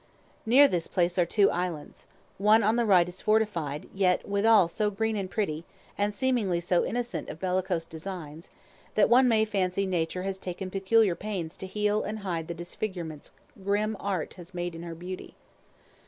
Near this place are two islands. The one on the right is fortified, yet withal so green and pretty, and seemingly so innocent of bellicose designs, that one may fancy Nature has taken peculiar pains to heal and hide the disfigurements grim Art has made in her beauty.